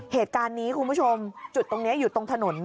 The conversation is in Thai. เหตุการณ์นี้คุณผู้ชมจุดตรงนี้อยู่ตรงถนน